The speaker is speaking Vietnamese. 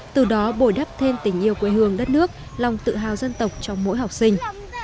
từ đó bồi đắp thêm tình yêu quê hương đất nước lòng tự hào dân tộc trong mỗi học sinh